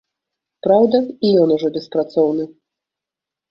Праўда, і ён ужо беспрацоўны.